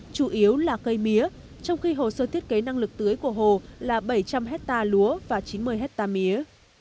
chủ yếu là cây mía trong khi hồ sơ thiết kế năng lực tưới của hồ là bảy trăm linh hectare lúa và chín mươi hectare mía